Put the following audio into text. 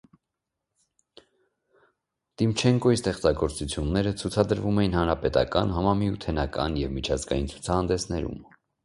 Տիմչենկոյի ստեղծագործությունները ցուցադրվում էին հանրապետական, համամիութենական և միջազգային ցուցահանդեսներում։